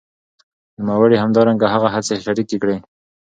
نوموړي همدرانګه هغه هڅي شریکي کړې